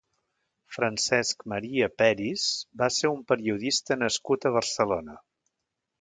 Francesc Maria Peris va ser un periodista nascut a Barcelona.